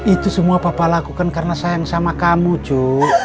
itu semua papa lakukan karena sayang sama kamu cu